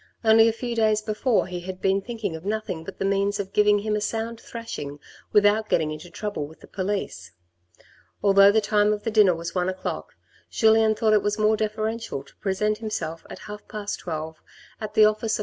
Only a few days before he had been thinking of nothing but the means of giving him a sound thrashing without getting into trouble with the police. Although the time of the dinner was one o'clock, Julien thought it was more deferential to present himself at half past twelve at the office of M.